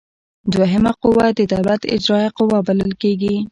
دوهمه قوه د دولت اجراییه قوه بلل کیږي.